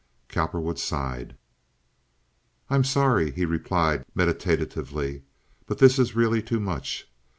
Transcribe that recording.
Cowperwood sighed. "I'm sorry," he replied, meditatively, "but this is really too much.